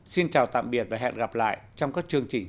xin chào tạm biệt và hẹn gặp lại trong các chương trình sau